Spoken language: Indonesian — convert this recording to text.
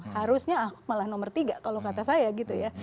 harusnya malah nomor tiga kalau kata saya gitu ya